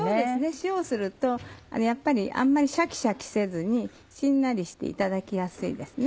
塩をするとやっぱりあんまりシャキシャキせずにしんなりしていただきやすいですね。